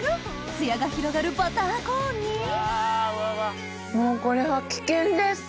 つやが広がるバターコーンにもうこれは危険です。